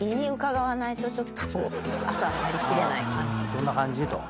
どんな感じ？と。